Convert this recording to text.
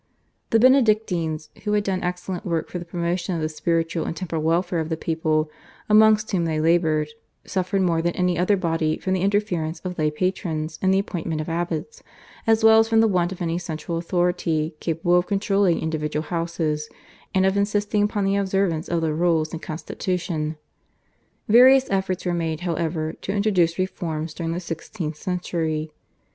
The Benedictines, who had done excellent work for the promotion of the spiritual and temporal welfare of the people amongst whom they laboured, suffered more than any other body from the interference of lay patrons in the appointment of abbots, as well as from the want of any central authority capable of controlling individual houses and of insisting upon the observance of the rules and constitution. Various efforts were made, however, to introduce reforms during the sixteenth century.